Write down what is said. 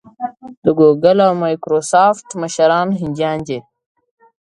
د ګوګل او مایکروسافټ مشران هندیان دي.